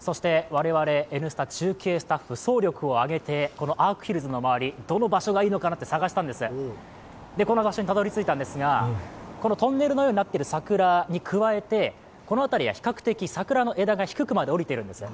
そして我々、「Ｎスタ」中継スタッフ、総力をあげて、このアークヒルズの周り、どの場所がいいかなと探したんです、この場所にたどり着いたんですが、トンネルになってるような桜に加えてこの辺りは比較的、桜の枝が低くまで下りてるんです。